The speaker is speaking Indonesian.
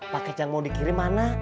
paket yang mau dikirim mana